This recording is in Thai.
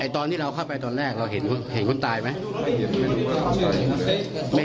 ตอนที่เราเข้าไปตอนแรกเราเห็นคนตายไหม